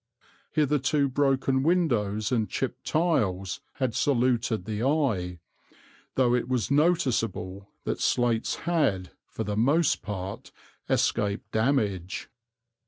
Hitherto broken windows and chipped tiles had saluted the eye, though it was noticeable that slates had, for the most part, escaped damage.